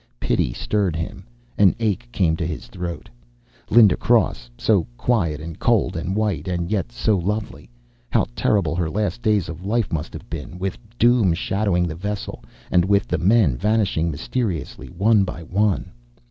Pity stirred him. An ache came in his throat. Linda Cross, so quiet and cold and white, and yet so lovely. How terrible her last days of life must have been, with doom shadowing the vessel, and the men vanishing mysteriously, one by one!